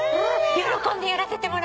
喜んでやらせてもらう！